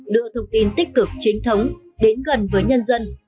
đưa thông tin tích cực chính thống đến gần với nhân dân